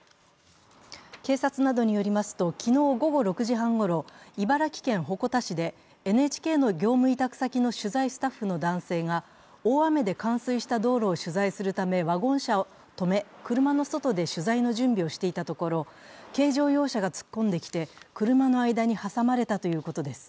警察などによりますと昨日午後６時半ごろ、茨城県鉾田市でＮＨＫの業務委託先の取材スタッフの男性が大雨で冠水した道路を取材するためワゴン車を止め、車の外で取材の準備をしていたところ、軽乗用車が突っ込んできて車の間に挟まれたということです。